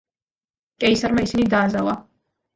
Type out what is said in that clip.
კეისარმა ისინი დააზავა.